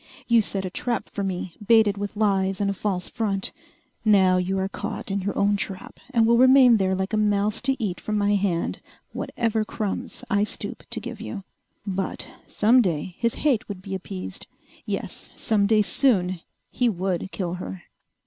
You set a trap for me, baited with lies and a false front. Now you are caught in your own trap and will remain there like a mouse to eat from my hand whatever crumbs I stoop to give you." But some day his hate would be appeased. Yes, some day soon he would kill her!